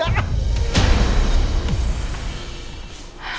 ada apa sih